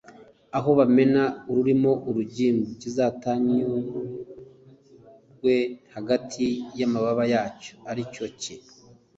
aho bamena u ririmo urugimbu kizatanyurirwe hagati y amababa yacyo ariko cye